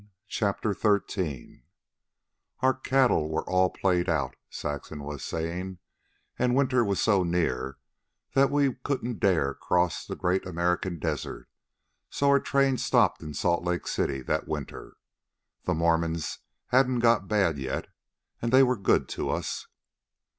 CHAPTER XIII "Our cattle were all played out," Saxon was saying, "and winter was so near that we couldn't dare try to cross the Great American Desert, so our train stopped in Salt Lake City that winter. The Mormons hadn't got bad yet, and they were good to us."